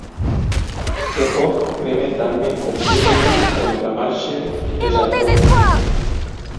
Jo coc, creme, damne, compile, contramarxe, desarbore